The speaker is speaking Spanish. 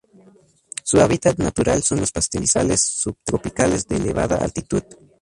Su hábitat natural son los pastizales subtropicales de elevada altitud.